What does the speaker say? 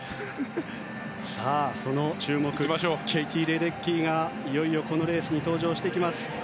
その注目のケイティ・レデッキーがいよいよこのレースに登場してきます。